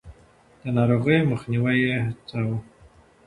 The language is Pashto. د ناروغيو مخنيوی يې هڅاوه.